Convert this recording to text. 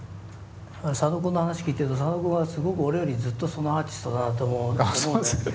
佐野君の話聞いてると佐野君はすごく俺よりずっとアーティストだなと思うんだよね。